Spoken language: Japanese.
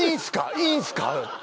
いいんすか！？